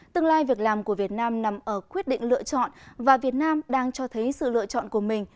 tương lai việc làm của việt nam nằm ở quyết định lựa chọn và việt nam đang cho thấy sự lựa chọn của mình